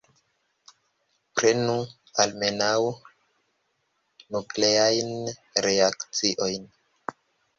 Prenu almenaŭ nukleajn reakciojn.